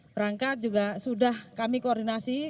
berangkat juga sudah kami koordinasi